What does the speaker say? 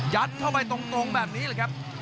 ยัดเข้าไปตรงแบบนี้แหละครับ